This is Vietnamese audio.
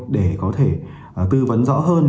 để có thể tư vấn rõ hơn